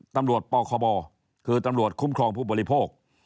ตำรวจปคบคือตำรวจคุ้มครองผู้บริโภค